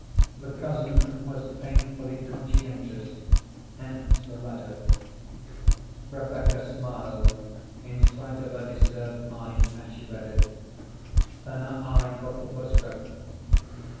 The cousin was painfully conscientious, hence the letter. Rebecca smiled in spite of her disturbed mind as she read it, then her eye caught the postscript.